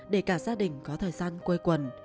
khi cả gia đình có thời gian quây quần